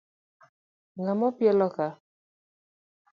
Ng'a mo pielo ka?